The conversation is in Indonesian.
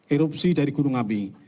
erupsi dari gunung api